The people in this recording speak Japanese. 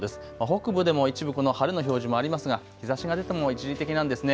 北部でも一部、晴れの表示もありますが日ざしが出ても一時的なんですね。